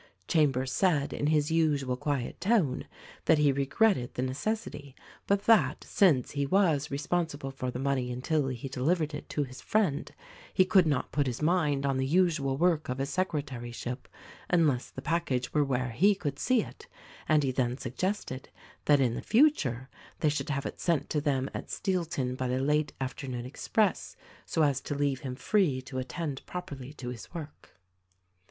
Chambers said in his usual quiet tone that he regretted the necessity, but that, since he was responsible for the money until he delivered it to his friend, he could not put his mind on the usual work of his secretaryship unless the package were where he could see it ; and he then suggested that in the future they should have it sent to them at Steelton by the late afternoon express so as to leave him free to attend properly to his work.